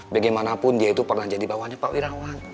bagaimanapun dia itu pernah jadi bawahnya pak wirawan